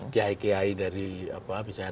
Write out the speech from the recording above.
kiai kiai dari misalnya